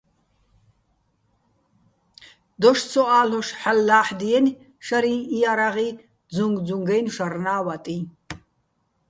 დოშ ცო ა́ლ'ოშ ჰ̦ალო̆ ლა́ჰ̦დიენი̆ შარიჼ იარაღი, ძუჼგძუჼგაჲნო̆ შარნა́ ვატიჼ.